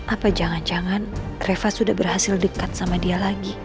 apa jangan jangan reva sudah berhasil dekat sama dia lagi